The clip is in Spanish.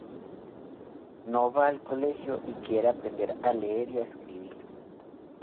No va al colegio y quiere aprender a leer y a escribir.